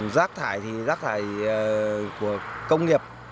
giác thải thì giác thải của công nghiệp